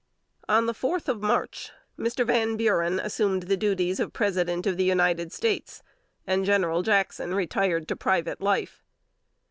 On the fourth of March, Mr. Van Buren assumed the duties of President of the United States, and General Jackson retired to private life.